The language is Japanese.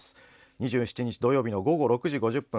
２７日土曜日の午後６時５０分